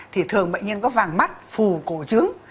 thì thường bệnh nhân có vàng mắt phù cổ chữ